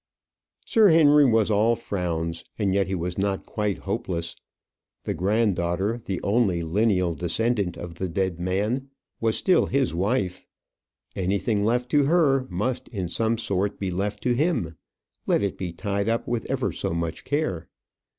Sir Henry was all frowns; and yet he was not quite hopeless. The granddaughter, the only lineal descendant of the dead man, was still his wife. Anything left to her must in some sort be left to him, let it be tied up with ever so much care.